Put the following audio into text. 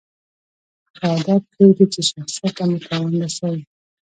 هغه عادت پرېږدئ، چي شخصت ته مو تاوان رسوي.